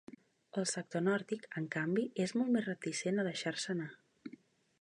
El sector nòrdic, en canvi, és molt més reticent a deixar-se anar.